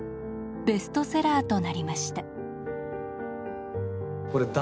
ベストセラーとなりました。